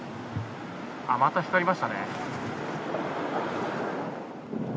また光りましたね。